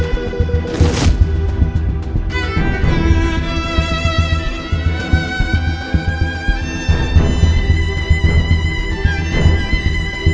tolong kerja sendiri ya pak ini untuk kebaikan fashion